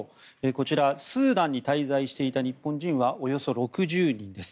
こちら、スーダンに滞在していた日本人はおよそ６０人です。